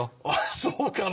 そうかな？